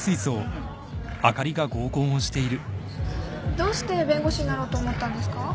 どうして弁護士になろうと思ったんですか？